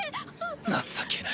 情けない。